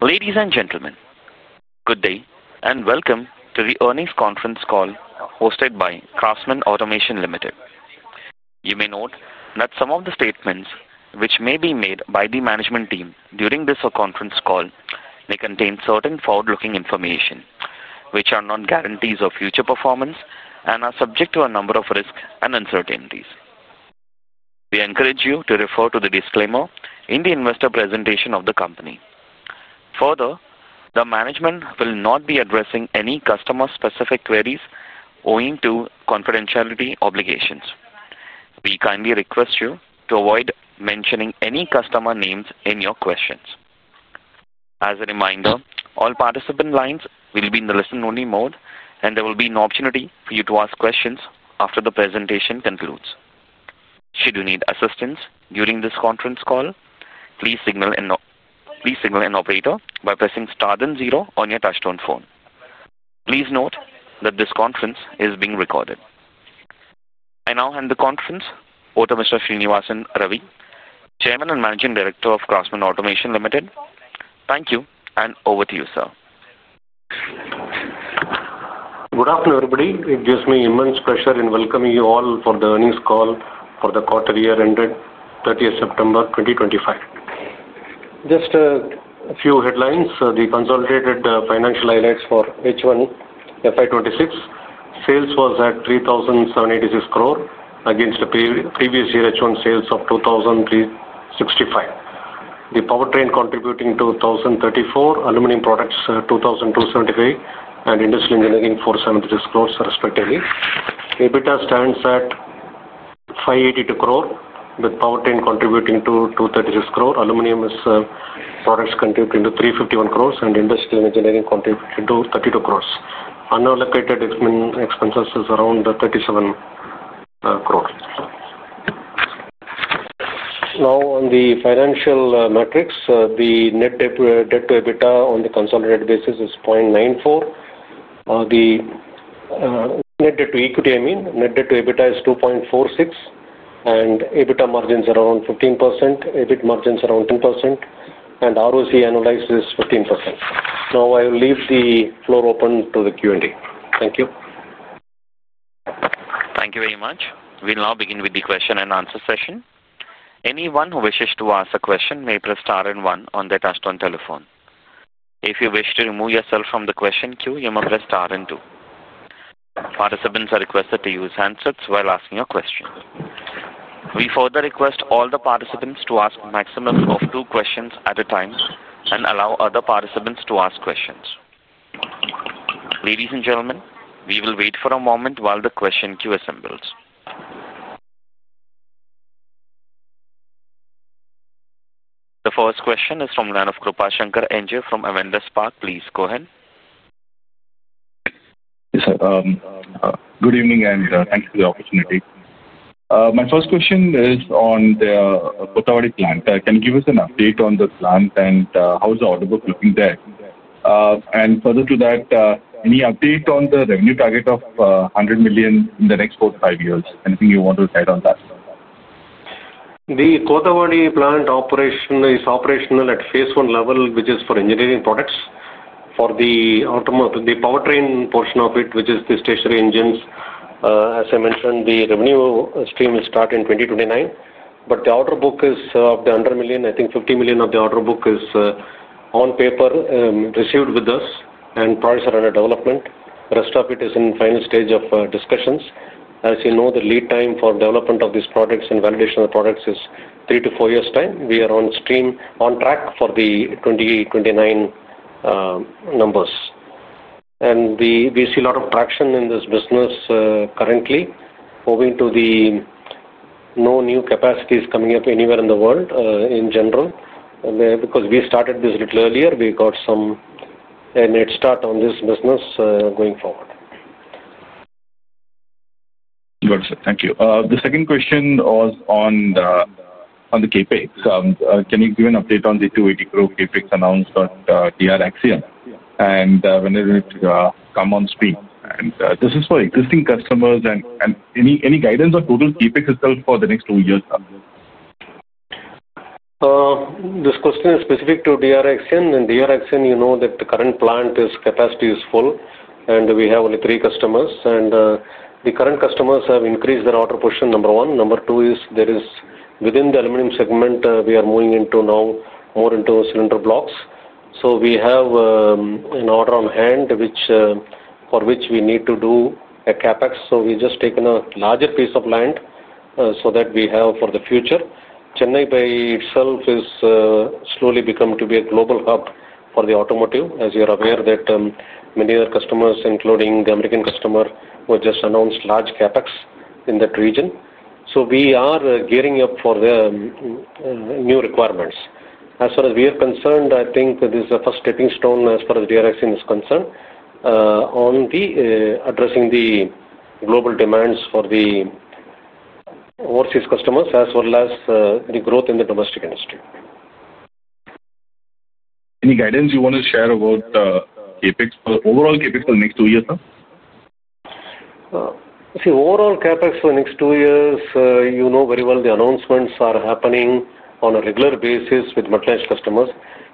Ladies and gentlemen, good day and welcome to the earnings conference call hosted by Craftsman Automation Limited. You may note that some of the statements which may be made by the management team during this conference call may contain certain forward-looking information which are not guarantees of future performance and are subject to a number of risks and uncertainties. We encourage you to refer to the disclaimer in the investor presentation of the company. Further, the management will not be addressing any customer-specific queries owing to confidentiality obligations. We kindly request you to avoid mentioning any customer names in your questions. As a reminder, all participant lines will be in the listen-only mode, and there will be an opportunity for you to ask questions after the presentation concludes. Should you need assistance during this conference call, please signal an operator by pressing star then zero on your touchstone phone. Please note that this conference is being recorded. I now hand the conference over to Mr. Srinivasan Ravi, Chairman and Managing Director of Craftsman Automation Limited. Thank you, and over to you, sir. Good afternoon, everybody. It gives me immense pleasure in welcoming you all for the earnings call for the quarter year ended 30th September 2025. Just a few headlines. The consolidated financial highlights for H1 FY 2026. Sales was at 3,786 crore against the previous year H1 sales of 2,365 crore. The powertrain contributing to 1,034 crore, aluminum products 2,275 crore, and industrial engineering 476 crore respectively. EBITDA stands at 582 crore, with powertrain contributing to 236 crore. Aluminum products contributing to 351 crore, and industrial engineering contributing to 32 crore. Unallocated expenses is around 37 crore. Now, on the financial metrics, the net debt to EBITDA on the consolidated basis is 0.94. The net debt to equity, I mean, net debt to EBITDA is 2.46, and EBITDA margin is around 15%. EBIT margin is around 10%, and ROC annualized is 15%. Now, I will leave the floor open to the Q&A.Thank you. Thank you very much. We'll now begin with the question and answer session. Anyone who wishes to ask a question may press star and one on their touchstone telephone. If you wish to remove yourself from the question queue, you may press star and two. Participants are requested to use handsets while asking a question. We further request all the participants to ask a maximum of two questions at a time and allow other participants to ask questions. Ladies and gentlemen, we will wait for a moment while the question queue assembles. The first question is from the line of Krupashankar NJ from Avendus Spark. Please go ahead. Yes, sir. Good evening and thanks for the opportunity. My first question is on the Kothavadi plant. Can you give us an update on the plant and how is the order book looking there? Further to that, any update on the revenue target of $100 million in the next four to five years? Anything you want to add on that? The Kothavadi plant operation is operational at phase one level, which is for engineering products. For the powertrain portion of it, which is the stationary engines, as I mentioned, the revenue stream will start in 2029. The order book is of the $100 million, I think $50 million of the order book is on paper, received with us, and products are under development. The rest of it is in the final stage of discussions. As you know, the lead time for development of these products and validation of the products is three to four years' time. We are on track for the 2029 numbers. We see a lot of traction in this business currently, moving to the no new capacities coming up anywhere in the world in general. Because we started this a little earlier, we got some head start on this business going forward. Good, sir. Thank you. The second question was on the CapEx. Can you give an update on the 280 crore CapEx announced by DR Axion and when it will come on stream? This is for existing customers. Any guidance on total CapEx itself for the next two years? This question is specific to DR Axion. And DR Axion, you know that the current plant capacity is full, and we have only three customers. The current customers have increased their order portion, number one. Number two is there is within the aluminum segment, we are moving into now more into cylinder blocks. We have an order on hand for which we need to do a CapEx. We have just taken a larger piece of land so that we have for the future. Chennai by itself is slowly becoming to be a global hub for the automotive, as you are aware that many other customers, including the American customer, have just announced large CapEx in that region. We are gearing up for the new requirements. As far as we are concerned, I think this is the first stepping stone as far as DR Axion is concerned on addressing the global demands for the overseas customers as well as the growth in the domestic industry. Any guidance you want to share about CapEx for overall CapEx for the next two years, sir? See, overall CapEx for the next two years, you know very well the announcements are happening on a regular basis with multilingual customers.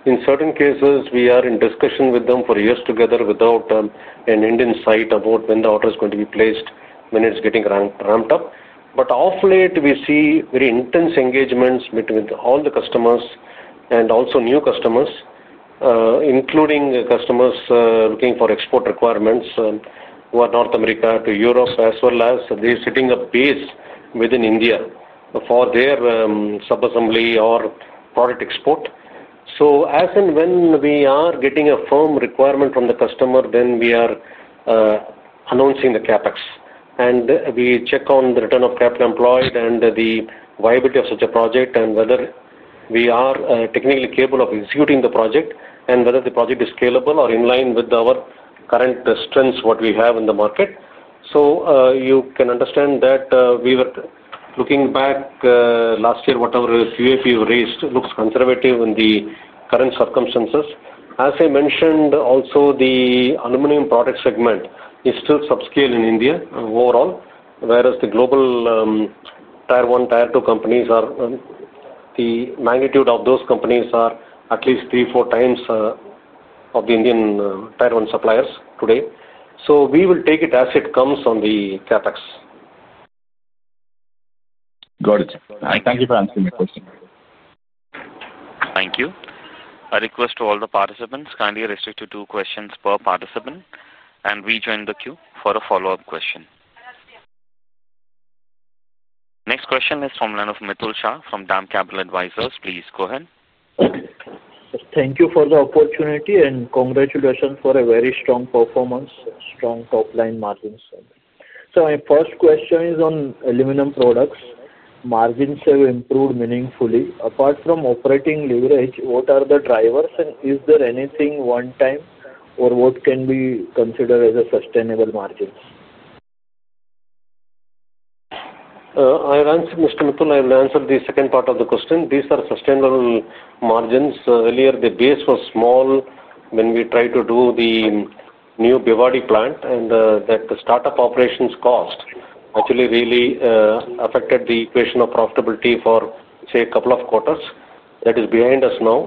In certain cases, we are in discussion with them for years together without an end in sight about when the order is going to be placed, when it's getting ramped up. Of late, we see very intense engagements between all the customers and also new customers, including customers looking for export requirements who are North America to Europe, as well as they're setting up base within India for their sub-assembly or product export. As and when we are getting a firm requirement from the customer, then we are announcing the CapEx. We check on the return of capital employed and the viability of such a project and whether we are technically capable of executing the project and whether the project is scalable or in line with our current strengths, what we have in the market. You can understand that we were looking back last year, whatever CapEx we raised looks conservative in the current circumstances. As I mentioned, also the aluminum product segment is still subscale in India overall, whereas the global tier one, tier two companies, the magnitude of those companies are at least three-four times of the Indian tier one suppliers today. We will take it as it comes on the CapEx. Got it. Thank you for answering my question. Thank you. A request to all the participants, kindly restrict to two questions per participant, and rejoin the queue for a follow-up question. Next question is from the line of Mitul Shah from DAM Capital Advisors. Please go ahead. Thank you for the opportunity and congratulations for a very strong performance, strong top-line margins. My first question is on aluminum products. Margins have improved meaningfully. Apart from operating leverage, what are the drivers, and is there anything one-time or what can be considered as sustainable margins? I'll answer, Mr. Mit ul. I'll answer the second part of the question. These are sustainable margins. Earlier, the base was small when we tried to do the new Avadi plant, and the startup operations cost actually really affected the equation of profitability for, say, a couple of quarters. That is behind us now.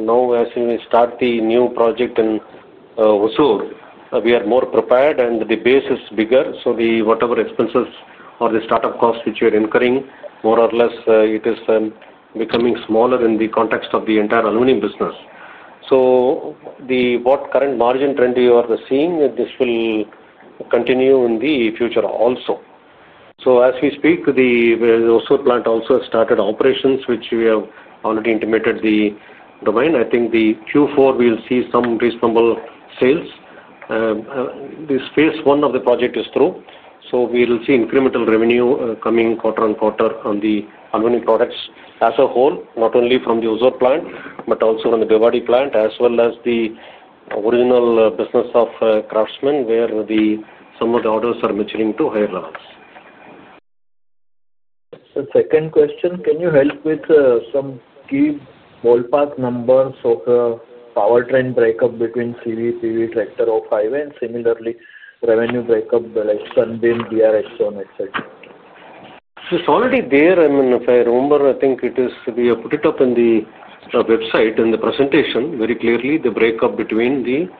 Now, as we start the new project in Vasoor, we are more prepared, and the base is bigger. Whatever expenses or the startup costs which we are incurring, more or less, it is becoming smaller in the context of the entire aluminum business. The current margin trend you are seeing, this will continue in the future also. As we speak, the Vasoor plant also started operations, which we have already intimated the domain. I think the Q4 will see some reasonable sales. The phase one of the project is through. We'll see incremental revenue coming quarter on quarter on the aluminum products as a whole, not only from the Vasoor plant, but also from the Avadi plant, as well as the original business of Craftsman, where some of the orders are maturing to higher levels. The second question, can you help with some key ballpark numbers of the powertrain breakup between CV, PV, tractor, or highway, and similarly revenue breakup like Sunbeam, DR Axion, etc.? It's already there. I mean, if I remember, I think it is we have put it up on the website in the presentation very clearly, the breakup between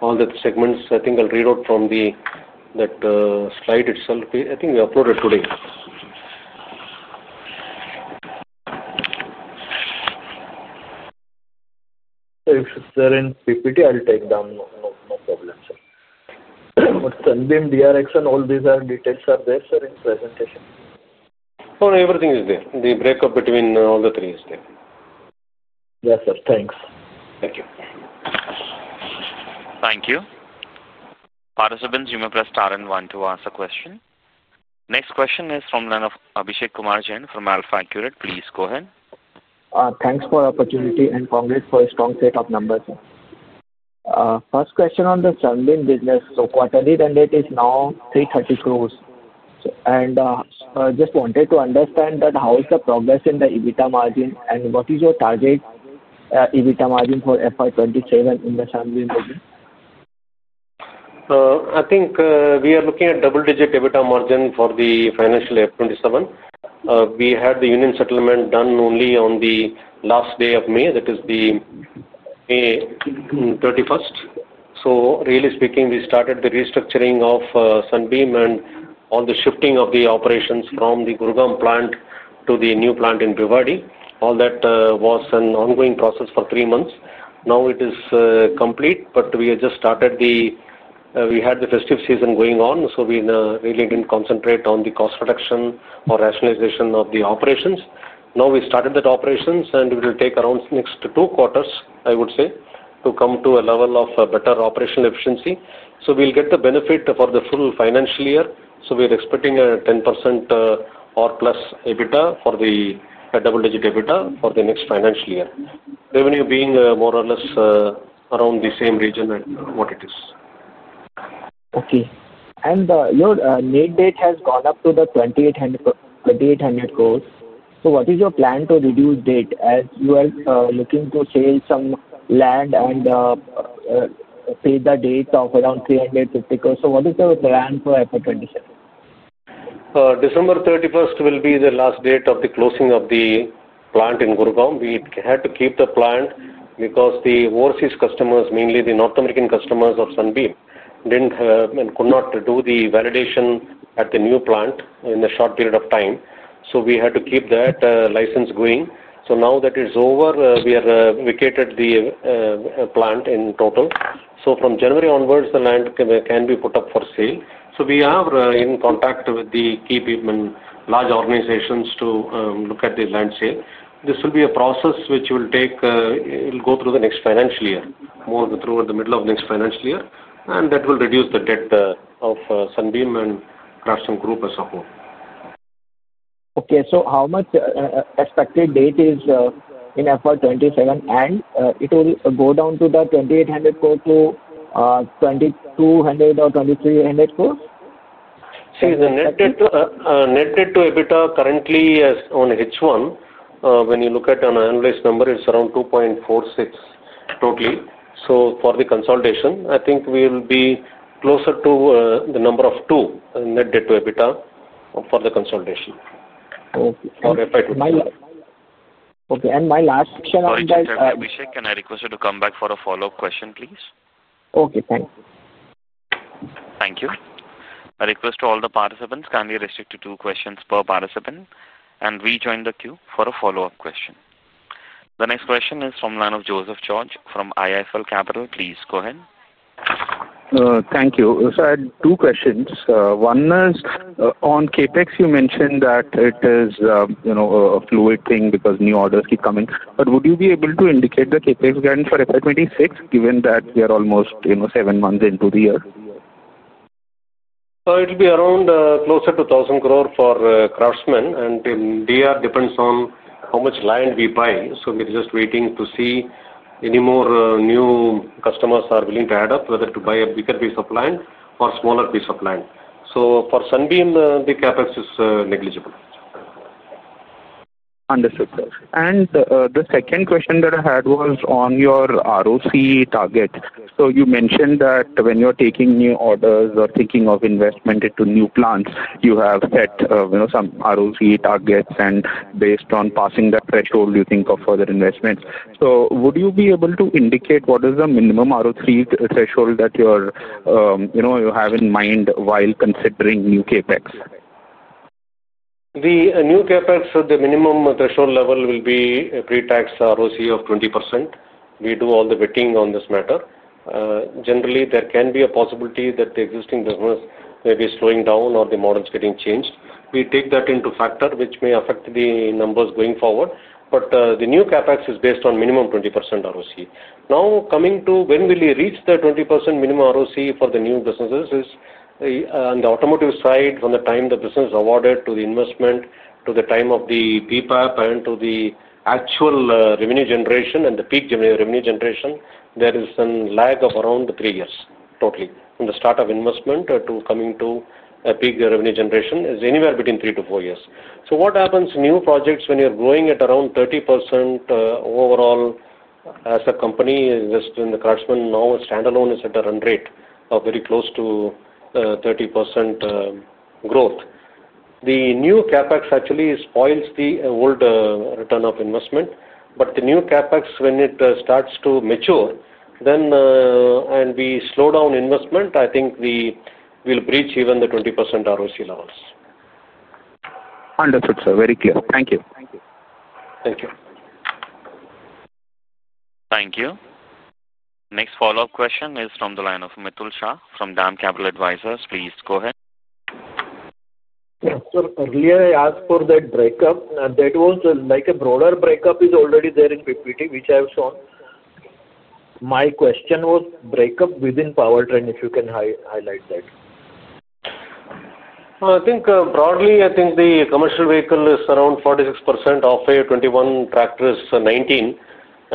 all the segments. I think I'll read out from that slide itself. I think we uploaded today. If it's there in PPT, I'll take down note. No problem, sir. But Sunbeam, DR Axion, all these details are there, sir, in the presentation? No, everything is there. The breakup between all the three is there. Yes, sir. Thanks. Thank you. Thank you. Participants, you may press star and one to ask a question. Next question is from the line of Abhishek Kumar Jain from AlfAccurate. Please go ahead. Thanks for the opportunity and congrats for a strong set of numbers. First question on the Sunbeam business. So quarterly run rate is now 330 crore. And I just wanted to understand that how is the progress in the EBITDA margin and what is your target EBITDA margin for FY 2027 in the Sunbeam business? I think we are looking at double-digit EBITDA margin for the financial year 2027. We had the union settlement done only on the last day of May, that is May 31st. Really speaking, we started the restructuring of Sunbeam and all the shifting of the operations from the Gurgaon plant to the new plant in Avadi. All that was an ongoing process for three months. Now it is complete, but we have just started. We had the festive season going on, so we really did not concentrate on the cost reduction or rationalization of the operations. Now we started the operations, and it will take around the next two quarters, I would say, to come to a level of better operational efficiency. We will get the benefit for the full financial year. We are expecting a 10% or plus EBITDA for the double-digit EBITDA for the next financial year, revenue being more or less around the same region what it is. Okay. And your net debt has gone up to 2,800 crore. What is your plan to reduce debt as you are looking to sell some land and pay the debt of around 350 crore? What is your plan for FY 2027? December 31 will be the last date of the closing of the plant in Gurgaon. We had to keep the plant because the overseas customers, mainly the North American customers of Sunbeam, did not have and could not do the validation at the new plant in a short period of time. We had to keep that license going. Now that it is over, we have vacated the plant in total. From January onwards, the land can be put up for sale. We are in contact with the key people, large organizations to look at the land sale. This will be a process which will take, it will go through the next financial year, more than through the middle of next financial year, and that will reduce the debt of Sunbeam and Craftsman Group as a whole. Okay. So how much expected debt is in FY 2027, and it will go down to 2,800 crore to 2,200 or 2,300 crore? See, the net debt to EBITDA currently is on H1. When you look at an analyst number, it's around 2.46 totally. So for the consolidation, I think we will be closer to the number of two net debt to EBITDA for the consolidation for FY 2027. Okay. And my last question on the. Mr. Abhishek, can I request you to come back for a follow-up question, please? Okay. Thanks. Thank you. A request to all the participants, kindly restrict to two questions per participant, and rejoin the queue for a follow-up question. The next question is from the line of Joseph George from IIFL Capital. Please go ahead. Thank you. I had two questions. One is on CapEx, you mentioned that it is a fluid thing because new orders keep coming. Would you be able to indicate the CapEx grant for FY 2026, given that we are almost seven months into the year? It will be around closer to 1,000 crore for Craftsman, and DR depends on how much land we buy. We're just waiting to see if any more new customers are willing to add up, whether to buy a bigger piece of land or a smaller piece of land. For Sunbeam, the CapEx is negligible. Understood, sir. The second question that I had was on your ROC target. You mentioned that when you're taking new orders or thinking of investment into new plants, you have set some ROC targets, and based on passing that threshold, you think of further investments. Would you be able to indicate what is the minimum ROC threshold that you have in mind while considering new CapEx? The new CapEx, the minimum threshold level will be a pre-tax ROC of 20%. We do all the vetting on this matter. Generally, there can be a possibility that the existing business may be slowing down or the models getting changed. We take that into factor, which may affect the numbers going forward. The new CapEx is based on minimum 20% ROC. Now, coming to when will you reach the 20% minimum ROC for the new businesses is on the automotive side, from the time the business is awarded to the investment to the time of the PPAP and to the actual revenue generation and the peak revenue generation, there is some lag of around three years totally from the start of investment to coming to a peak revenue generation is anywhere between three to four years. What happens, new projects when you're growing at around 30% overall as a company, just when the Craftsman now standalone is at a run rate of very close to 30% growth. The new CapEx actually spoils the old return of investment. The new CapEx, when it starts to mature and we slow down investment, I think we will breach even the 20% ROC levels. Understood, sir. Very clear. Thank you. Thank you. Thank you. Next follow-up question is from line of Mitul Shah from DAM Capital Advisors. Please go ahead. Sir, earlier I asked for that breakup. That was like a broader breakup is already there in PPT, which I have shown. My question was breakup within powertrain, if you can highlight that. I think broadly, I think the commercial vehicle is around 46%, off-air 21%, tractors 19%,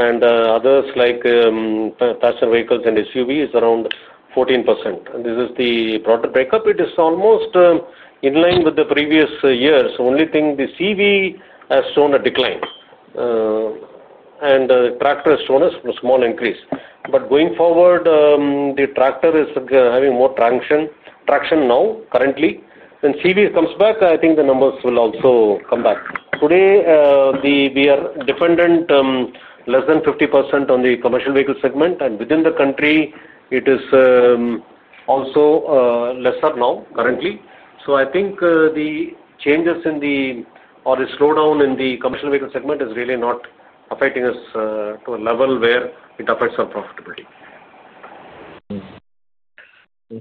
and others like passenger vehicles and SUVs around 14%. This is the broader breakup. It is almost in line with the previous years. Only thing, the CV has shown a decline, and the tractor has shown a small increase. Going forward, the tractor is having more traction now currently. When CV comes back, I think the numbers will also come back. Today, we are dependent less than 50% on the commercial vehicle segment, and within the country, it is also lesser now currently. I think the changes in the or the slowdown in the commercial vehicle segment is really not affecting us to a level where it affects our profitability.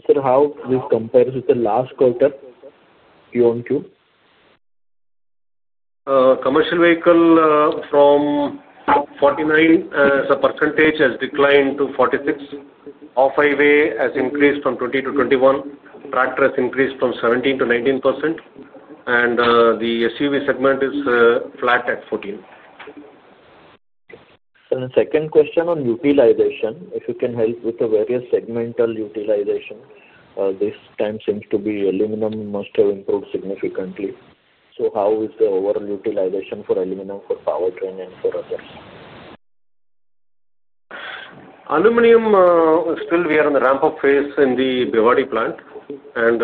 Sir, how this compares with the last quarter? You want to? Commercial vehicle from 49% as a percentage has declined to 46%. Off-highway has increased from 20% to 21%. Tractor has increased from 17% to 19%, and the SUV segment is flat at 14%. The second question on utilization, if you can help with the various segmental utilization, this time seems to be aluminum must have improved significantly. How is the overall utilization for aluminum, for powertrain, and for others? Aluminum is still, we are on the ramp-up phase in the Avadi plant, and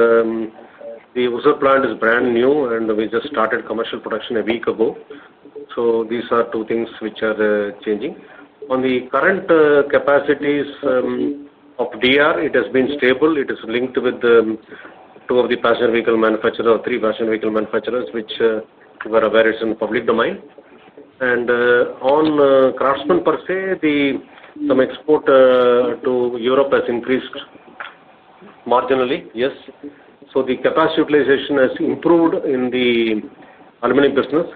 the Vasoor plant is brand new, and we just started commercial production a week ago. These are two things which are changing. On the current capacities of DR, it has been stable. It is linked with two of the passenger vehicle manufacturers or three passenger vehicle manufacturers, which were various in public domain. On Craftsman per se, some export to Europe has increased marginally, yes. The capacity utilization has improved in the aluminum business.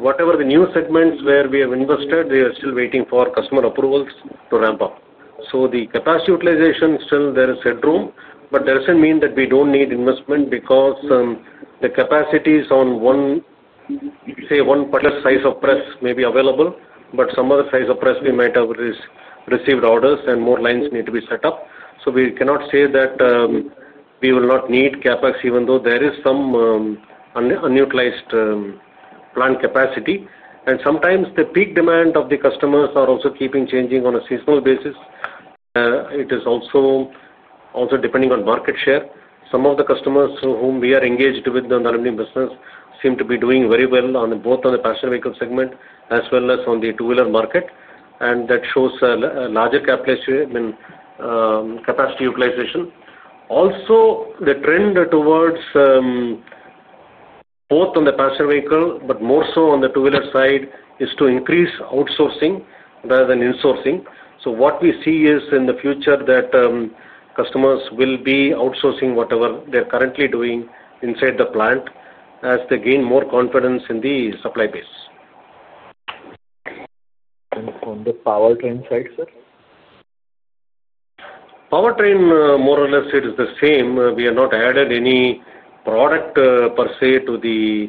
Whatever the new segments where we have invested, we are still waiting for customer approvals to ramp up. The capacity utilization still, there is headroom, but it does not mean that we do not need investment because the capacities on one, say, one press size of press may be available, but some other size of press we might have received orders and more lines need to be set up. We cannot say that we will not need CapEx, even though there is some unutilized plant capacity. Sometimes the peak demand of the customers is also keeping changing on a seasonal basis. It is also depending on market share. Some of the customers whom we are engaged with in the aluminum business seem to be doing very well on both the passenger vehicle segment as well as on the two-wheeler market, and that shows a larger capacity utilization. Also, the trend towards both on the passenger vehicle, but more so on the two-wheeler side, is to increase outsourcing rather than insourcing. What we see is in the future that customers will be outsourcing whatever they're currently doing inside the plant as they gain more confidence in the supply base. On the powertrain side, sir? Powertrain, more or less, it is the same. We have not added any product per se to the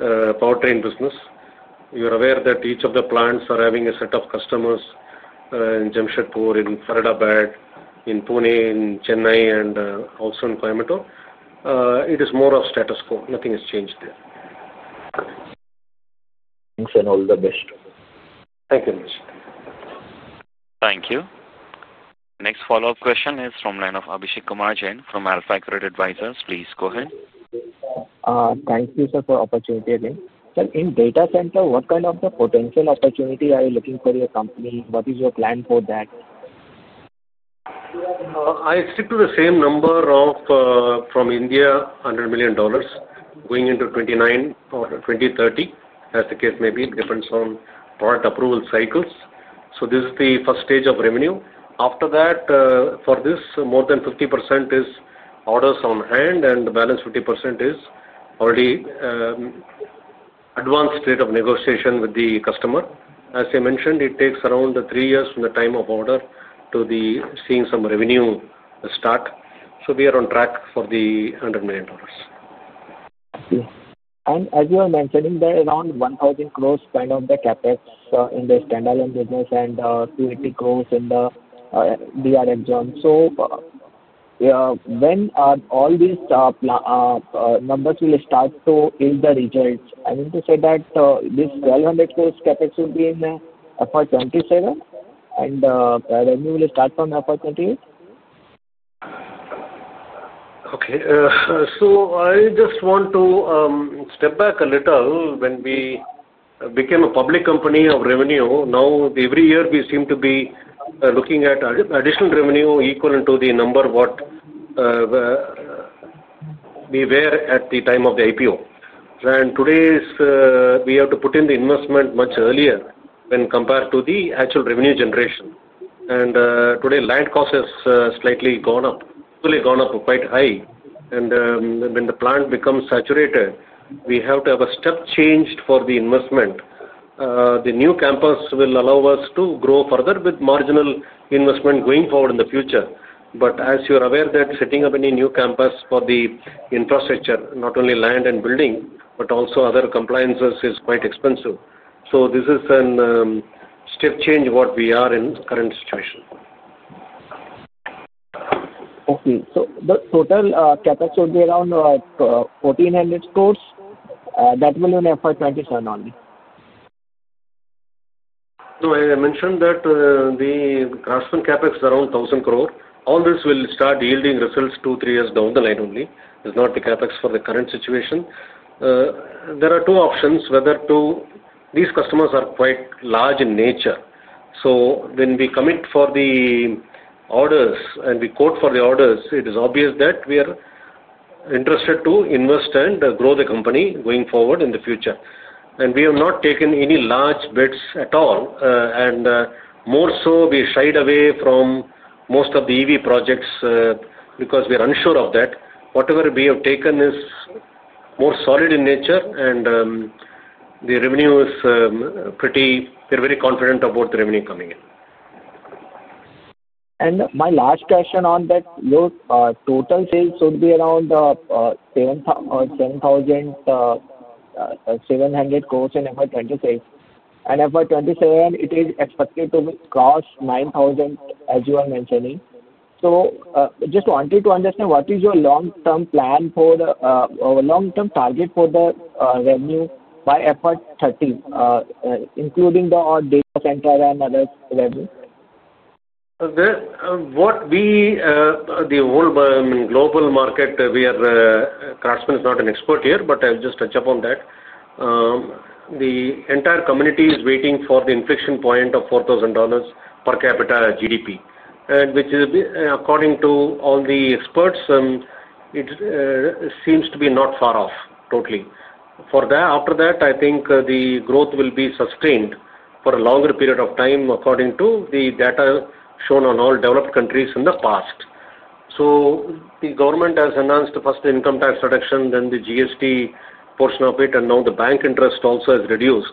powertrain business. You're aware that each of the plants are having a set of customers in Jamshedpur, in Faridabad, in Pune, in Chennai, and also in Coimbatore? It is more of status quo. Nothing has changed there. Thanks, and all the best. Thank you. Thank you. Next follow-up question is from Abhishek Kumar Jain from Alpha Accurate Advisors. Please go ahead. Thank you, sir, for the opportunity. Sir, in data center, what kind of potential opportunity are you looking for your company? What is your plan for that? I stick to the same number from India, $100 million going into 2030, as the case may be. It depends on product approval cycles. This is the first stage of revenue. After that, for this, more than 50% is orders on hand, and the balance 50% is already advanced state of negotiation with the customer. As I mentioned, it takes around three years from the time of order to seeing some revenue start. We are on track for the $100 million. As you are mentioning, there are around 1,000 crore kind of the CapEx in the standalone business and 280 crore in the DR Axion. When are all these numbers going to start to yield the results? I mean, to say that this 1,200 crore CapEx will be in FY 2027, and revenue will start from FY 2028? Okay. I just want to step back a little. When we became a public company of revenue, now every year we seem to be looking at additional revenue equal to the number what we were at the time of the IPO. Today, we have to put in the investment much earlier when compared to the actual revenue generation. Today, land cost has slightly gone up, slightly gone up quite high. When the plant becomes saturated, we have to have a step change for the investment. The new campus will allow us to grow further with marginal investment going forward in the future. As you are aware, setting up any new campus for the infrastructure, not only land and building, but also other compliances is quite expensive. This is a step change what we are in current situation. Okay. So the total CapEx will be around 1,400 crore? That will be on FY 2027 only? No. I mentioned that the Craftsman CapEx is around 1,000 crore. All this will start yielding results two-three years down the line only. It is not the CapEx for the current situation. There are two options, whether to these customers are quite large in nature. When we commit for the orders and we quote for the orders, it is obvious that we are interested to invest and grow the company going forward in the future. We have not taken any large bets at all. More so, we shied away from most of the EV projects because we are unsure of that. Whatever we have taken is more solid in nature, and the revenue is pretty—we are very confident about the revenue coming in. My last question on that, your total sales would be around 7,700 crore in FY 2026. In FY 2027, it is expected to cross 9,000 crore, as you are mentioning. I just wanted to understand what is your long-term plan for the long-term target for the revenue by FY 2030, including the data center and other revenue? What we the whole global market, we are Craftsman is not an expert here, but I'll just touch upon that. The entire community is waiting for the inflection point of $4,000 per capita GDP, which is, according to all the experts, it seems to be not far off totally. After that, I think the growth will be sustained for a longer period of time, according to the data shown on all developed countries in the past. The government has announced first the income tax reduction, then the GST portion of it, and now the bank interest also has reduced,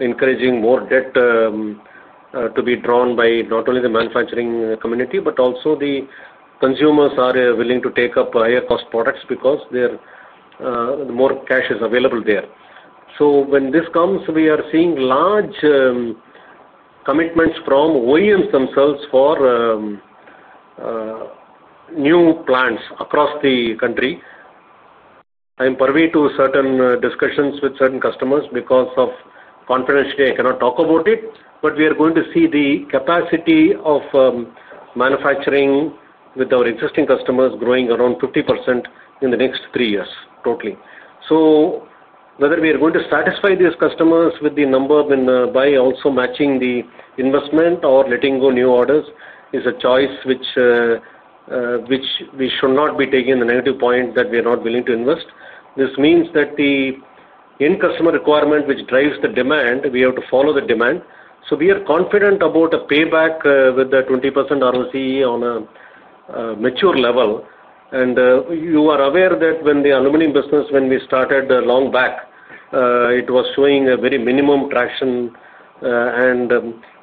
encouraging more debt to be drawn by not only the manufacturing community, but also the consumers are willing to take up higher-cost products because the more cash is available there. When this comes, we are seeing large commitments from OEMs themselves for new plants across the country. I'm privy to certain discussions with certain customers because of confidentiality, I cannot talk about it. We are going to see the capacity of manufacturing with our existing customers growing around 50% in the next three years totally. Whether we are going to satisfy these customers with the number by also matching the investment or letting go new orders is a choice which we should not be taking the negative point that we are not willing to invest. This means that the end customer requirement, which drives the demand, we have to follow the demand. We are confident about a payback with the 20% ROC on a mature level. You are aware that when the aluminum business, when we started long back, it was showing a very minimum traction.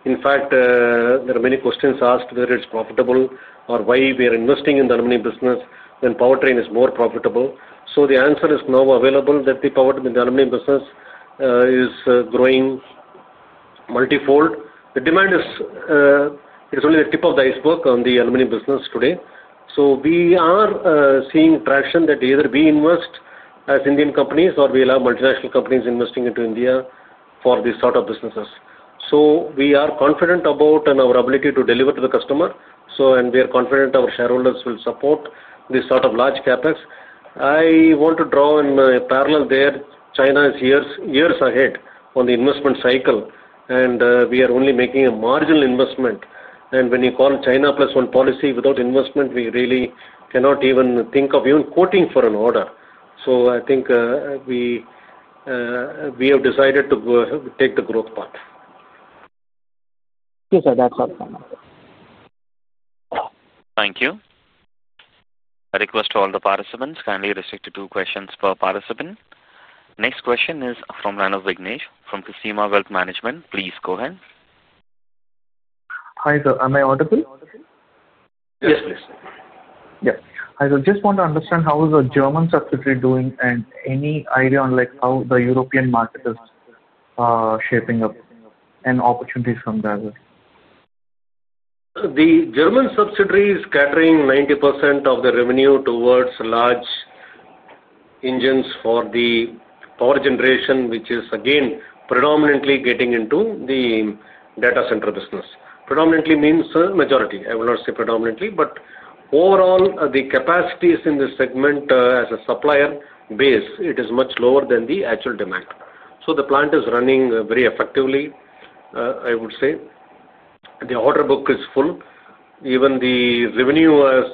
In fact, there are many questions asked whether it's profitable or why we are investing in the aluminum business when powertrain is more profitable. The answer is now available that the aluminum business is growing multi-fold. The demand is only the tip of the iceberg on the aluminum business today. We are seeing traction that either we invest as Indian companies or we allow multinational companies investing into India for this sort of businesses. We are confident about our ability to deliver to the customer, and we are confident our shareholders will support this sort of large CapEx. I want to draw a parallel there. China is years ahead on the investment cycle, and we are only making a marginal investment. When you call China plus one policy without investment, we really cannot even think of even quoting for an order. I think we have decided to take the growth path. Yes, sir. That's all. Thank you. I request all the participants kindly restrict to two questions per participant. Next question is from line of Vignesh from KSEMA Wealth Management. Please go ahead. Hi, sir. Am I audible? Yes, yes. Yes. I just want to understand how is the German subsidiary doing and any idea on how the European market is shaping up and opportunities from that? The German subsidiary is catering 90% of the revenue towards large engines for the power generation, which is again predominantly getting into the data center business. Predominantly means majority. I will not say predominantly, but overall, the capacities in the segment as a supplier base, it is much lower than the actual demand. The plant is running very effectively, I would say. The order book is full. Even the revenue has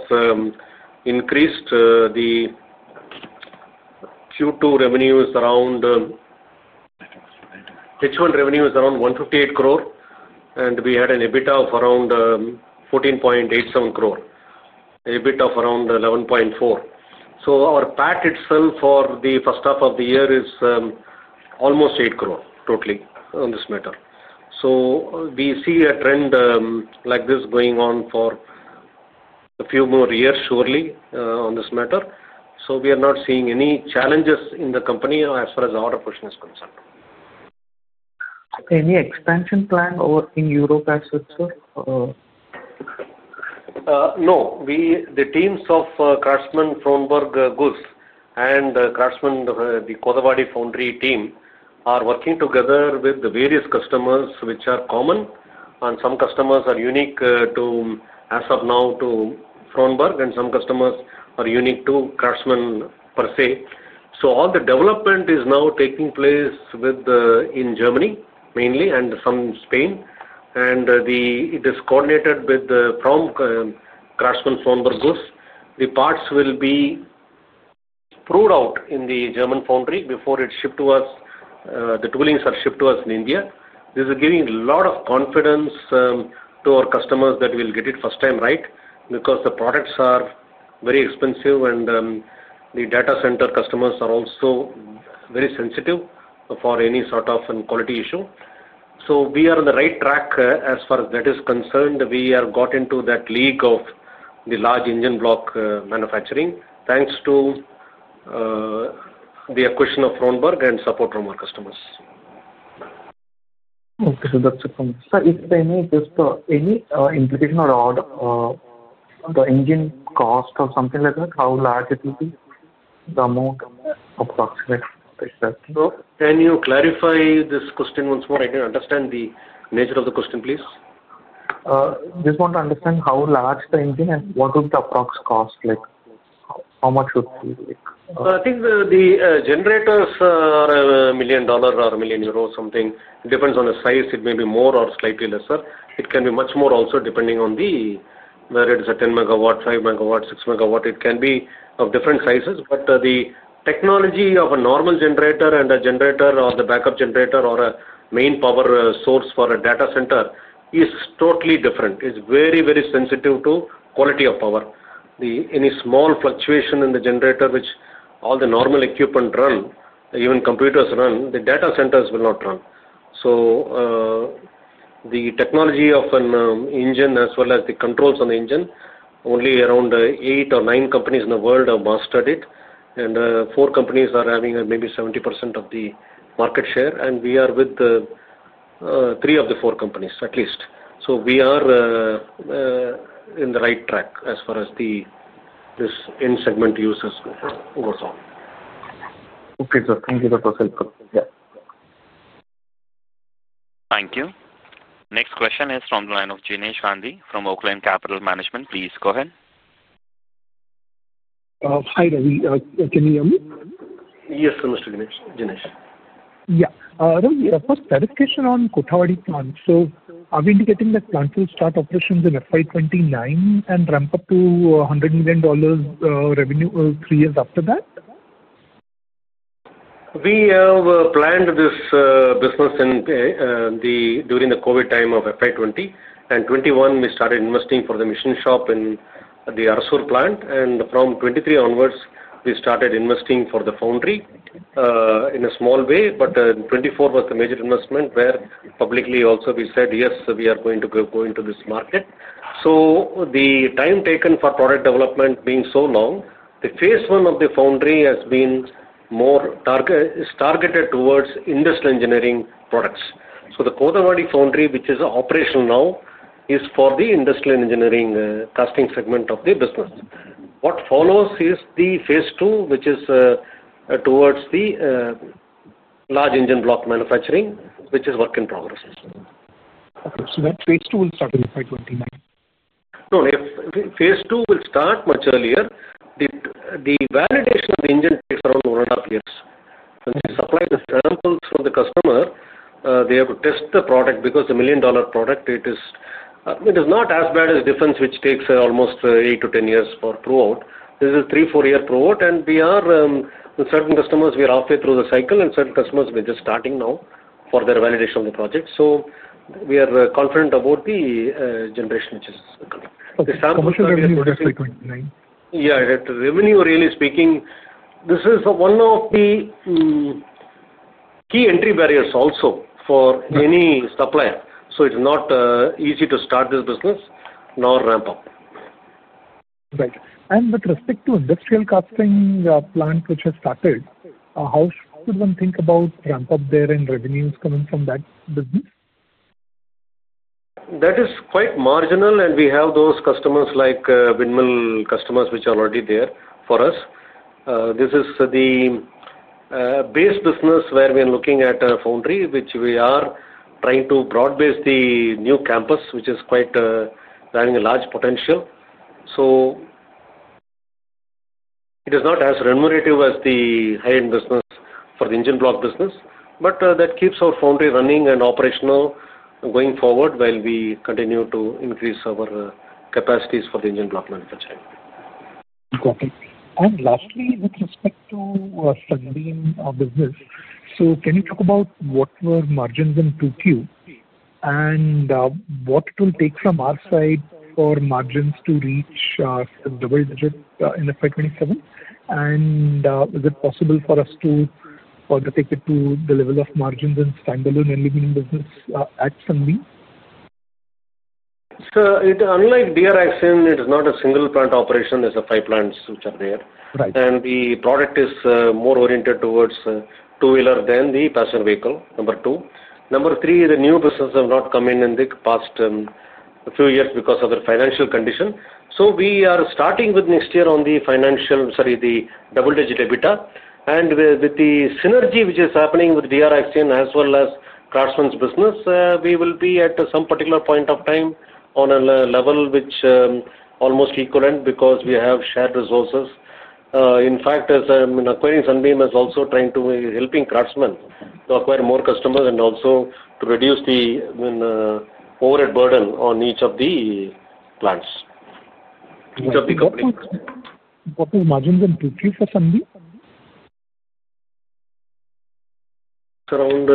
increased. The Q2 revenue is around 158 crore, and we had an EBITDA of around 14.87 crore, EBIT of around 11.4 crore. Our PAT itself for the first half of the year is almost 8 crore totally on this matter. We see a trend like this going on for a few more years, surely, on this matter. We are not seeing any challenges in the company as far as the order portion is concerned. Any expansion plan in Europe as well, sir? No. The teams of Craftsman Frohnleiten GmbH and Craftsman, the Kothavadi Foundry team, are working together with the various customers, which are common. Some customers are unique to, as of now, to Frohnleiten, and some customers are unique to Craftsman per se. All the development is now taking place in Germany mainly and some in Spain. It is coordinated with from Craftsman Frohnleiten GmbH. The parts will be proved out in the German foundry before it's shipped to us. The toolings are shipped to us in India. This is giving a lot of confidence to our customers that we'll get it first time right because the products are very expensive, and the data center customers are also very sensitive for any sort of quality issue. We are on the right track as far as that is concerned. We have got into that league of the large engine block manufacturing, thanks to the acquisition of Frohnleiten and support from our customers. Okay. So that's it. Sir, if there is any implication on the engine cost or something like that, how large it will be, the amount approximate? Can you clarify this question once more? I didn't understand the nature of the question, please. Just want to understand how large the engine and what would be the approximate cost? How much would it be? I think the generators are a $1 million or 1 million euro something. It depends on the size. It may be more or slightly lesser. It can be much more also depending on where it is, a 10 MW, 5 MW, 6 MW. It can be of different sizes. The technology of a normal generator and a generator or the backup generator or a main power source for a data center is totally different. It is very, very sensitive to quality of power. Any small fluctuation in the generator, which all the normal equipment run, even computers run, the data centers will not run. The technology of an engine, as well as the controls on the engine, only around eight or nine companies in the world have mastered it. Four companies are having maybe 70% of the market share. We are with three of the four companies, at least. We are on the right track as far as this end segment uses goes on. Okay, sir. Thank you for the help. Thank you. Next question is from line of Jinesh Gandhi from Oaklane Capital Management. Please go ahead. Hi, can you hear me? Yes, sir, Mr. Jinesh. Yeah. First clarification on Kothavadi plant. So are we indicating that plant will start operations in FY 2029 and ramp up to $100 million revenue three years after that? We have planned this business during the COVID time of 2020. In 2021, we started investing for the machine shop in the Arasur plant. From 2023 onwards, we started investing for the foundry in a small way. In 2024, there was the major investment where publicly also we said, "Yes, we are going to go into this market." The time taken for product development being so long, the phase one of the foundry has been more targeted towards industrial engineering products. The Kothavadi foundry, which is operational now, is for the industrial engineering casting segment of the business. What follows is the phase two, which is towards the large engine block manufacturing, which is work in progress. Okay. So then phase two will start in FY 2029? No. phase two will start much earlier. The validation of the engine takes around one and a half years. When we supply the samples for the customer, they have to test the product because the million-dollar product, it is not as bad as defense, which takes almost 8 to 10 years for prove out. This is a three, four-year prove out. We are certain customers, we are halfway through the cycle, and certain customers, we're just starting now for their validation of the project. We are confident about the generation, which is coming. The samples are going to be produced by 2029? Yeah. Revenue, really speaking, this is one of the key entry barriers also for any supplier. It is not easy to start this business nor ramp up. Right. With respect to industrial casting plant, which has started, how should one think about ramp up there and revenues coming from that business? That is quite marginal. We have those customers like windmill customers, which are already there for us. This is the base business where we are looking at a foundry, which we are trying to broad base the new campus, which is quite having a large potential. It is not as remunerative as the high-end business for the engine block business. That keeps our foundry running and operational going forward while we continue to increase our capacities for the engine block manufacturing. Got it. Lastly, with respect to our struggling business, can you talk about what were margins in Q2 and what it will take from our side for margins to reach double digit in FY 2027? Is it possible for us to take it to the level of margins in standalone and lignin business at Sunbeam? Sir, unlike DR Axion, it is not a single plant operation. There are five plants which are there. The product is more oriented towards two-wheeler than the passenger vehicle, number two. Number three, the new business has not come in in the past few years because of their financial condition. We are starting with next year on the financial, sorry, the double digit EBITDA. With the synergy which is happening with DR Axion as well as Craftsman's business, we will be at some particular point of time on a level which is almost equal because we have shared resources. In fact, acquiring Sunbeam is also trying to help Craftsman to acquire more customers and also to reduce the overhead burden on each of the plants. What were margins in Q3 for Sunbeam? Around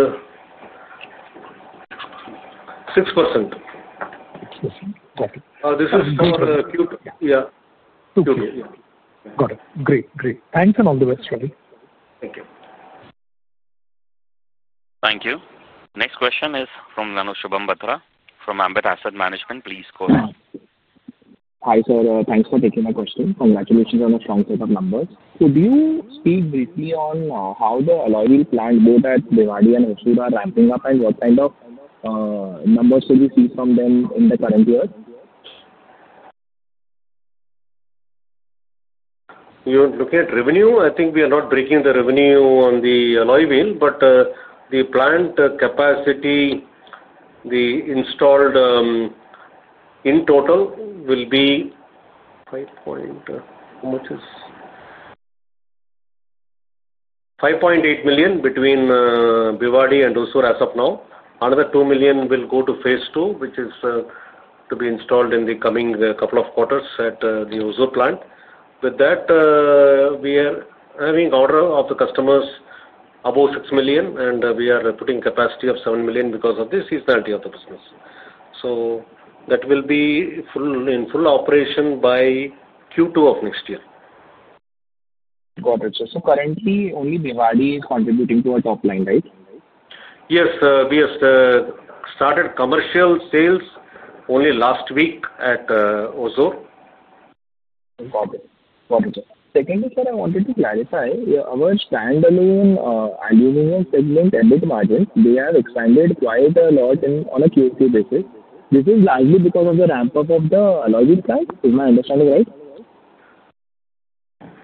6%. 6%. Got it. This is for Q2, yeah. Q2. Yeah. Got it. Great. Great. Thanks and all the best, sir. Thank you. Thank you. Next question is from line of Shubham Bhatra from Ambit Asset Management. Please go ahead. Hi, sir. Thanks for taking my question. Congratulations on a strong set of numbers. Could you speak briefly on how the alloy wheel plant both at Avadi and Vasoor are ramping up and what kind of numbers will we see from them in the current year? You're looking at revenue? I think we are not breaking the revenue on the alloy wheel. But the plant capacity, the installed in total will be 5.8 million between Avadi and Vasoor as of now. Another 2 million will go to phase two, which is to be installed in the coming couple of quarters at the Vasoor plant. With that, we are having order of the customers above 6 million, and we are putting capacity of 7 million because of the seasonality of the business. That will be in full operation by Q2 of next year. Got it, sir. So currently, only Avadi is contributing to our top line, right? Yes. We have started commercial sales only last week at Vasoor. Got it. Got it, sir. Secondly, sir, I wanted to clarify, our standalone aluminum segment EBITDA margins, they have expanded quite a lot on a Q2 basis. This is largely because of the ramp up of the alloy wheel plant. Is my understanding right?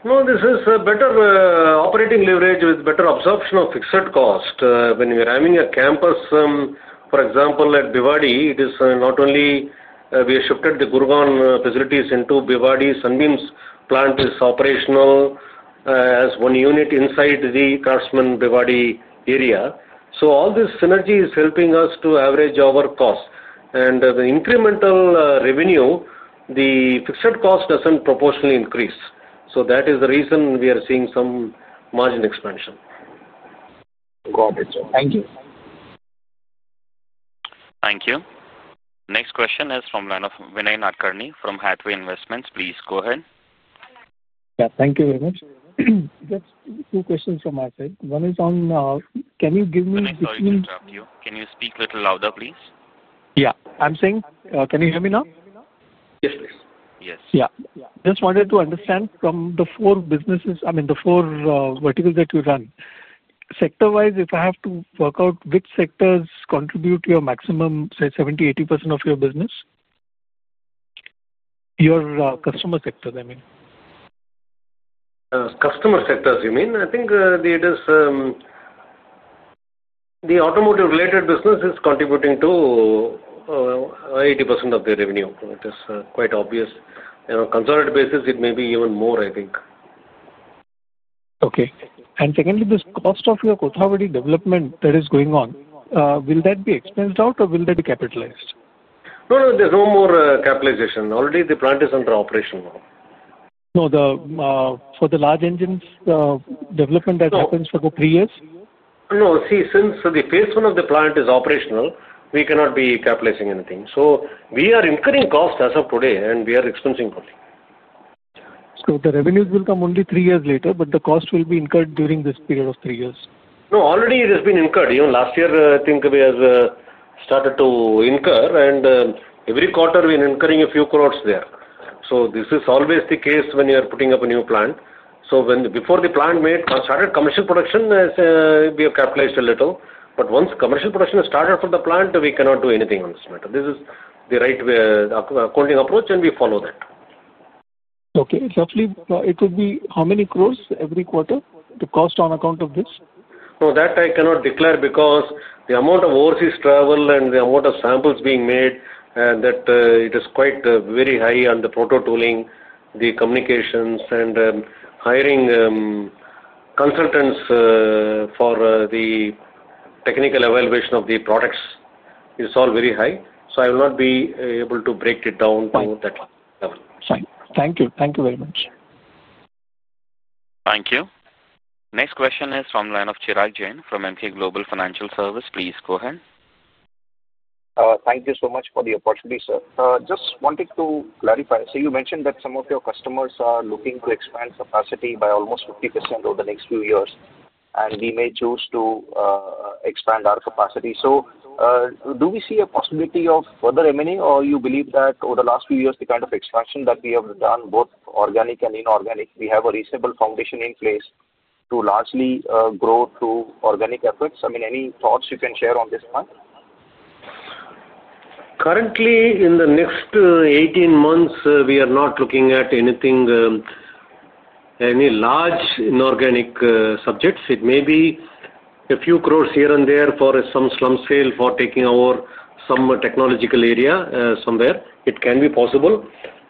No, this is better operating leverage with better absorption of fixed cost. When we are having a campus, for example, at Avadi, it is not only we have shifted the Gurgaon facilities into Avadi. Sunbeam's plant is operational as one unit inside the Craftsman Avadi area. All this synergy is helping us to average our cost. The incremental revenue, the fixed cost does not proportionally increase. That is the reason we are seeing some margin expansion. Got it, sir. Thank you. Thank you. Next question is from line of Vinay Nadkarni from Hathway Investments. Please go ahead. Yeah. Thank you very much. Just two questions from my side. One is on, can you give me between. Sorry to interrupt you. Can you speak a little louder, please? Yeah. I'm saying, can you hear me now? Yes, yes. Yes. Yeah. Just wanted to understand from the four businesses, I mean, the four verticals that you run. Sector-wise, if I have to work out which sectors contribute to your maximum, say, 70% to 80% of your business? Your customer sectors, I mean. Customer sectors, you mean? I think the automotive-related business is contributing to 80% of the revenue. It is quite obvious. On a consolidated basis, it may be even more, I think. Okay. And secondly, this cost of your Kothavadi development that is going on, will that be expensed out or will that be capitalized? No, no. There's no more capitalization. Already, the plant is under operation now. No. For the large engines, development that happens for the three years? No. See, since the phase one of the plant is operational, we cannot be capitalizing anything. So we are incurring cost as of today, and we are expensing only. The revenues will come only three years later, but the cost will be incurred during this period of three years? No. Already, it has been incurred. Even last year, I think we have started to incur, and every quarter, we are incurring a few crore there. This is always the case when you are putting up a new plant. Before the plant started commercial production, we have capitalized a little. Once commercial production has started for the plant, we cannot do anything on this matter. This is the right accounting approach, and we follow that. Okay. Roughly, it would be how many crore every quarter the cost on account of this? No, that I cannot declare because the amount of overseas travel and the amount of samples being made, that it is quite very high on the prototooling, the communications, and hiring consultants for the technical evaluation of the products. It's all very high. I will not be able to break it down to that level. Thank you. Thank you very much. Thank you. Next question is from line of Chirag Jain from Emkay Global Financial Service. Please go ahead. Thank you so much for the opportunity, sir. Just wanted to clarify. You mentioned that some of your customers are looking to expand capacity by almost 50% over the next few years, and we may choose to expand our capacity. Do we see a possibility of further revenue, or do you believe that over the last few years, the kind of expansion that we have done, both organic and inorganic, we have a reasonable foundation in place to largely grow through organic efforts? I mean, any thoughts you can share on this point? Currently, in the next 18 months, we are not looking at anything, any large inorganic subjects. It may be a few crore here and there for some slum scale for taking over some technological area somewhere. It can be possible.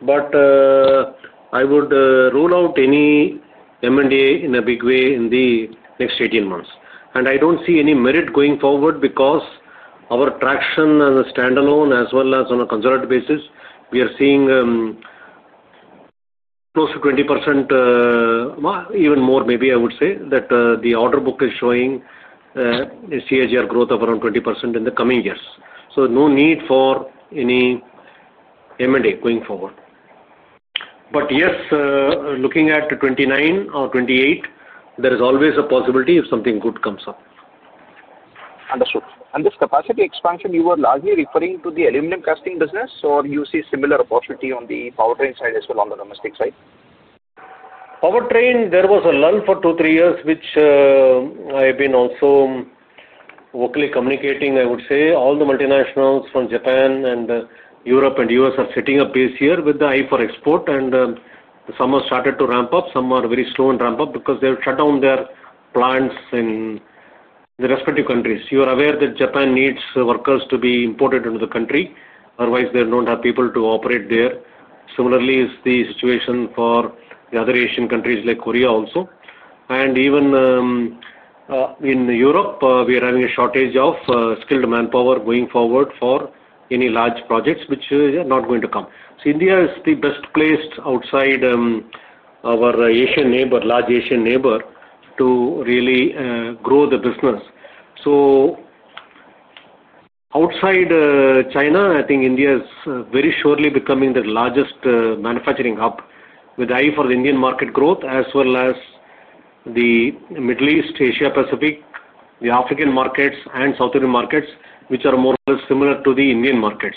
I would rule out any M&A in a big way in the next 18 months. I do not see any merit going forward because our traction on the standalone, as well as on a consolidated basis, we are seeing close to 20%, even more maybe, I would say, that the order book is showing CAGR growth of around 20% in the coming years. No need for any M&A going forward. Yes, looking at 2029 or 2028, there is always a possibility if something good comes up. Understood. And this capacity expansion, you were largely referring to the aluminum casting business, or you see similar opportunity on the powertrain side as well on the domestic side? Powertrain, there was a lull for two, three years, which I have been also vocally communicating, I would say. All the multinationals from Japan and Europe and the U.S. are setting up base here with the eye for export. Some have started to ramp up. Some are very slow in ramp up because they have shut down their plants in the respective countries. You are aware that Japan needs workers to be imported into the country. Otherwise, they do not have people to operate there. Similarly, the situation is the same for the other Asian countries like Korea also. Even in Europe, we are having a shortage of skilled manpower going forward for any large projects, which are not going to come. India is the best placed outside our Asian neighbor, large Asian neighbor, to really grow the business. Outside China, I think India is very surely becoming the largest manufacturing hub with eye for the Indian market growth, as well as the Middle East, Asia-Pacific, the African markets, and South Indian markets, which are more or less similar to the Indian markets.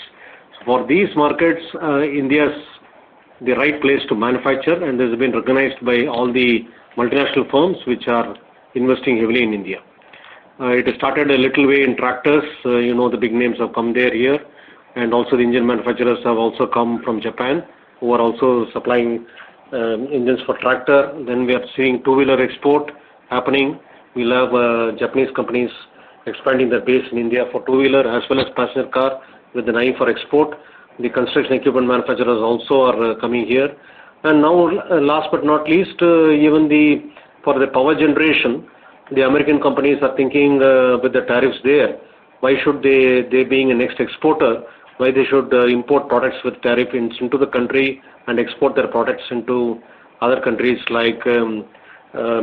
For these markets, India is the right place to manufacture, and this has been recognized by all the multinational firms which are investing heavily in India. It has started a little way in tractors. You know the big names have come here. Also, the engine manufacturers have also come from Japan, who are also supplying engines for tractor. We are seeing two-wheeler export happening. We will have Japanese companies expanding their base in India for two-wheeler, as well as passenger car with the eye for export. The construction equipment manufacturers also are coming here. Last but not least, even for the power generation, the American companies are thinking with the tariffs there, why should they, being a next exporter, why they should import products with tariffs into the country and export their products into other countries like the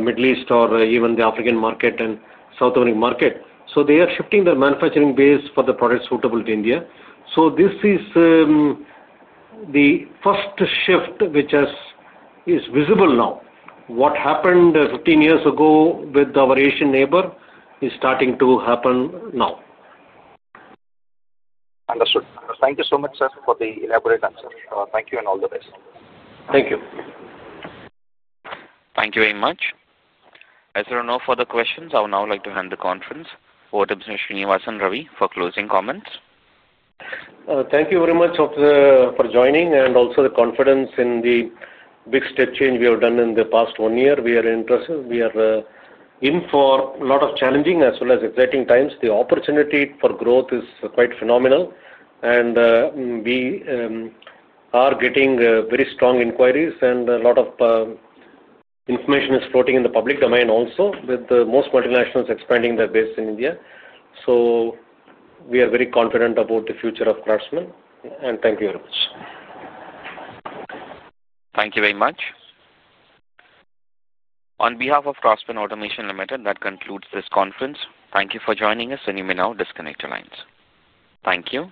Middle East or even the African market and South American market. They are shifting their manufacturing base for the products suitable to India. This is the first shift which is visible now. What happened 15 years ago with our Asian neighbor is starting to happen now. Understood. Thank you so much, sir, for the elaborate answer. Thank you and all the best. Thank you. Thank you very much. As there are no further questions, I would now like to hand the conference over to Mr. Srinivasan Ravi for closing comments. Thank you very much for joining and also the confidence in the big step change we have done in the past one year. We are interested. We are in for a lot of challenging as well as exciting times. The opportunity for growth is quite phenomenal. We are getting very strong inquiries, and a lot of information is floating in the public domain also, with most multinationals expanding their base in India. We are very confident about the future of Craftsman. Thank you very much. Thank you very much. On behalf of Craftsman Automation Limited, that concludes this conference. Thank you for joining us, and you may now disconnect your lines. Thank you.